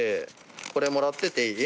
これもらってっていい？